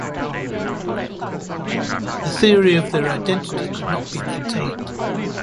The theory of their identity could not be maintained.